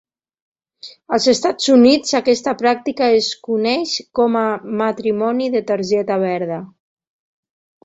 Als Estats Units, aquesta pràctica es coneix com a matrimoni de targeta verda.